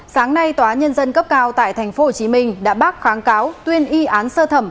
sáng nay tòa nhân dân cấp cao tại tp hcm đã bác kháng cáo tuyên y án sơ thẩm